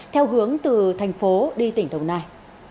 theo hướng từ tp hcm đi tỉnh đồng nai